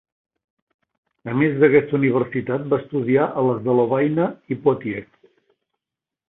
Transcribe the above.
A més d'aquesta universitat va estudiar a les de Lovaina i Poitiers.